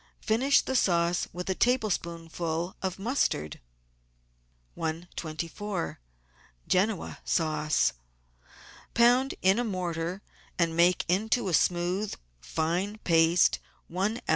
Finish the sauce with a tablespoonful of mustard. i24~QEN0A SAUCE Pound in a mortar, and make into a smooth, fine paste, one oz.